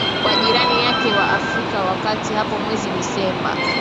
kwa jirani yake wa Afrika ya kati hapo mwezi Disemba